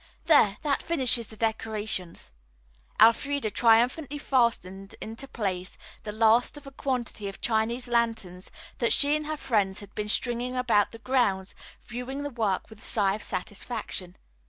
There, that finishes the decorations." Elfreda triumphantly fastened into place the last of a quantity of Chinese lanterns that she and her friends had been stringing about the grounds, viewing the work with a sigh of satisfaction.